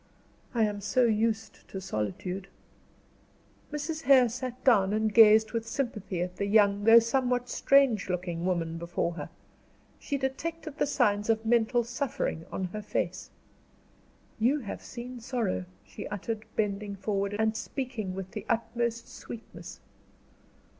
"I am so used to solitude." Mrs. Hare sat down, and gazed with sympathy at the young, though somewhat strange looking woman before her. She detected the signs of mental suffering on her face. "You have seen sorrow," she uttered, bending forward, and speaking with the utmost sweetness.